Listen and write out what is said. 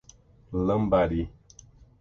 Lambari